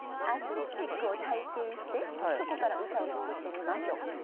アスレチックを体験してそこから歌を作ってみましょう。